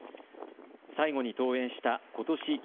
最後に登園したことし